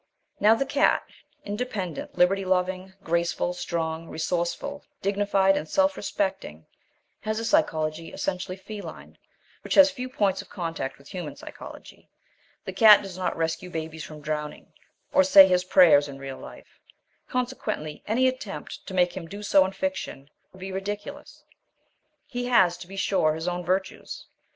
Now the cat, independent, liberty loving, graceful, strong, resourceful, dignified, and self respecting, has a psychology essentially feline, which has few points of contact with human psychology. The cat does not rescue babies from drowning or say his prayers in real life; consequently any attempt to make him do so in fiction would be ridiculous. He has, to be sure, his own virtues.